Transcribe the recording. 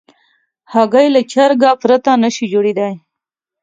هګۍ له چرګه پرته نشي جوړېدای.